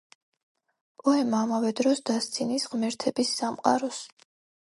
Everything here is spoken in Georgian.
პოემა ამავე დროს დასცინის ღმერთების სამყაროს.